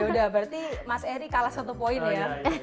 ya udah berarti mas eri kalah satu poin ya